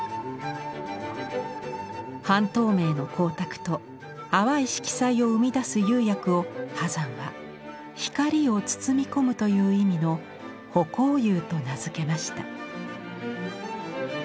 半透明の光沢と淡い色彩を生み出す釉薬を波山は光を包み込むという意味の「葆光釉」と名付けました。